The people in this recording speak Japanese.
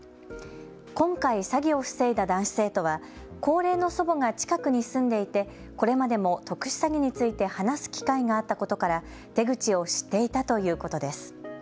今回、詐欺を防いだ男子生徒は高齢の祖母が近くに住んでいてこれまでも特殊詐欺について話す機会があったことから手口を知っていたということです。